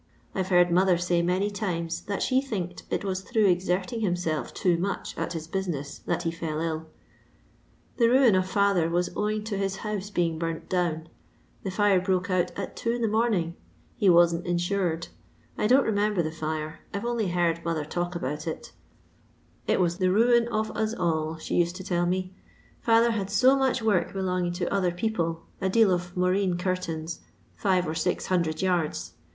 I'va heard mother say many times that she thinkad it was through exerting himself too much at his buaaess that he fell ilL The ruin of fiither was owing to his house being burnt down ; the fire broke out at two in the morning; he wasn't insured: I don't remember the fire ; I 've only heerd mother talk about it It was the ruin of us all she nsed to tell me ; fiither had so much work belonnng to other people ; a deal of moreen curtains, five or six hundred yards.